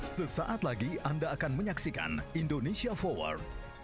sesaat lagi anda akan menyaksikan indonesia forward